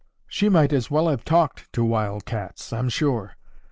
She might as well have talked to wild cats, I'm sure.